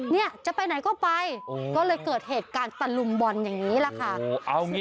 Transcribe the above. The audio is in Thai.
เนี่ยจะไปไหนก็ไปก็เลยเกิดเหตุการณ์ตะลุมบอลอย่างนี้แหละค่ะ